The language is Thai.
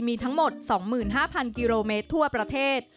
มีทั้งหมด๒๕๐๐กิโลเมตรทั่วประเทศ